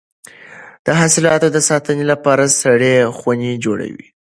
د حاصلاتو د ساتنې لپاره سړې خونې جوړې کړئ.